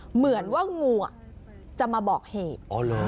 เหมือนว่างูจะมาบอกเหตุ